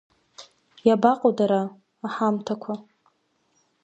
Иабаҟоу дара, аҳамҭақәа?